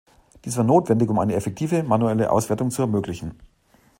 Dies war notwendig, um eine effektive manuelle Auswertung zu ermöglichen.